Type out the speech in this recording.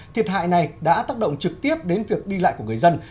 thiệt hại này đã tác động trực tiếp đến việc đi lại của người dân